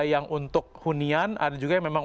yang untuk hunian ada juga yang memang